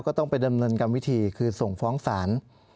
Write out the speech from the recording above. ก็ต้องไปดำเนินการวิธีคือส่งฟ้องศาล